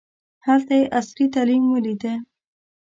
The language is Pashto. هلته یې عصري تعلیم ولیده.